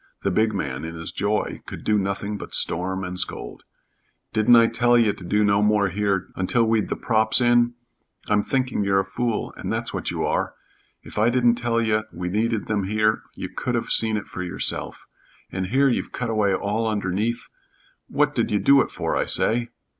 The big man in his joy could do nothing but storm and scold. "Didn't I tell ye to do no more here until we'd the props in? I'm thinking you're a fool, and that's what you are. If I didn't tell ye we needed them here, you could have seen it for yourself and here you've cut away all underneath. What did you do it for? I say!"